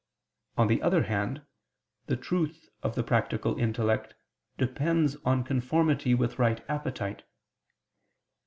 On the other hand, the truth of the practical intellect depends on conformity with right appetite.